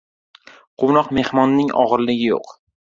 • Quvnoq mehmonning og‘irligi yo‘q.